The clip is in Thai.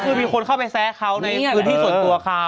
คือมีคนเข้าไปแซะเขาในพื้นที่ส่วนตัวเขา